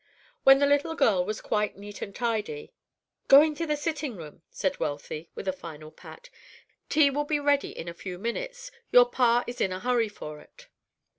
When the little girl was quite neat and tidy, "Go into the sitting room," said Wealthy, with a final pat. "Tea will be ready in a few minutes. Your pa is in a hurry for it."